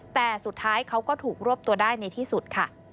แต่สุดท้ายเขาก็ถูกรวบตัวได้ในที่สุดค่ะ